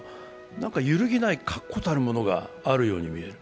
何か揺るぎない確固たるものがあるように見える。